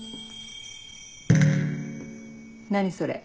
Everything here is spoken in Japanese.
何それ。